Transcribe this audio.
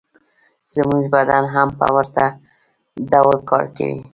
زموږ بدن هم په ورته ډول کار کوي